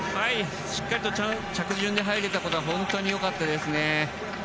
しっかりと着順で入れたことは本当に良かったですね。